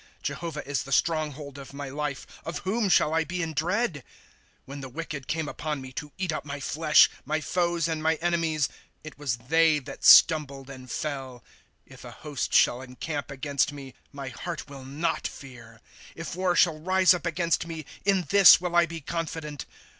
Jehovah is the stronghold of my life ; Of whom shall I be in dread ?^ When the wicked came upon me to eat up my flesh, My foes and my enemies, it was they that stumbled and fell. ^ If a host shall encamp against me, My heart will not fear ; If war shall rise up against me. In this will I be confident.